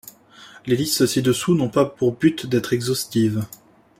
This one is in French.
Les listes ci-dessous n'ont pas pour but d'être exhaustives.